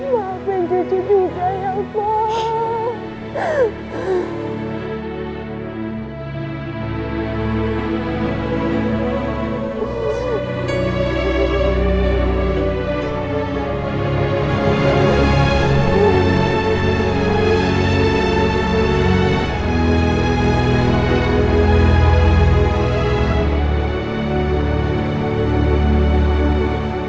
maafin cucu juga ya pak